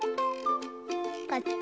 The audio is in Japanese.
こっち？